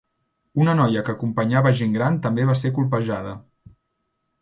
Una noia que acompanyava gent gran també va ser colpejada.